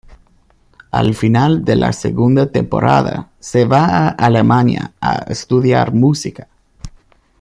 Al final de la segunda temporada se va a Alemania a estudiar música.